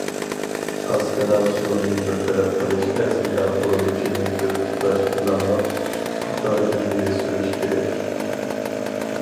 پاسكىنا سۇنى بىر تەرەپ قىلىش ئەسلىھە قۇرۇلۇشىنى بىر تۇتاش پىلانلاپ، پۇختا ئىلگىرى سۈرۈش كېرەك.